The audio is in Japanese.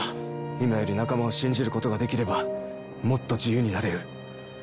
今より仲間を信じることができればもっと自由になれる。